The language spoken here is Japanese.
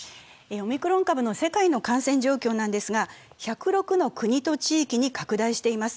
オミクロン株の世界の感染状況なのですが、１０６の国と地域に拡大しています。